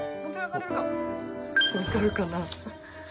分かるかな？